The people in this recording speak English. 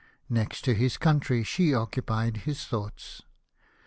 " Next to his country she occupied his thoughts.